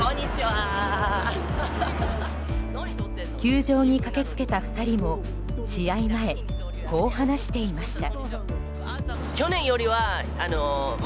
球場に駆けつけた２人も試合前、こう話していました。